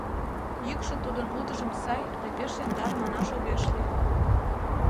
Йӱкшӧ тудын утыжым сай да пеш яндар манаш огеш лий.